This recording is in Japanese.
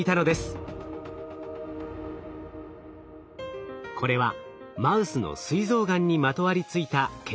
これはマウスのすい臓がんにまとわりついた血管の様子を捉えた映像。